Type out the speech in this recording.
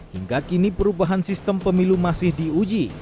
hingga kini perubahan sistem pemilu masih diuji